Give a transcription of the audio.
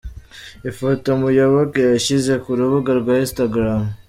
Ifoto Muyoboke yashyize ku rubuga rwa Instagram.